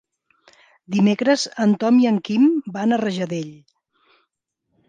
Dimecres en Tom i en Quim van a Rajadell.